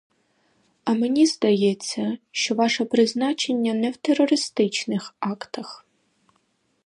А мені здається, що ваше призначення не в терористичних актах.